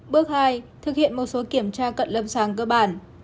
bước hai thực hiện một số kiểm tra cận lâm sàng cơ bản